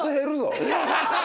アハハハ！